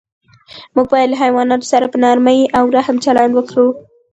موږ باید له حیواناتو سره په نرمۍ او رحم چلند وکړو.